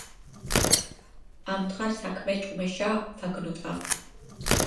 ამდღარ საქმე ჭუმეშა ვაგნოდვავ